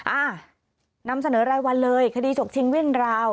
อ่านำเสนอรายวันเลยคดีจบชิงวิ่งราว